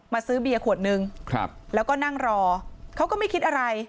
ซื้อเบียร์ขวดนึงแล้วก็นั่งรอเขาก็ไม่คิดอะไร